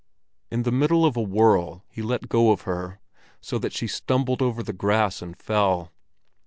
In the middle of a whirl he let go of her, so that she stumbled over the grass and fell.